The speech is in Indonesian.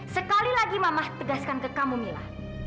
sekali lagi mama tegaskan ke kamu mila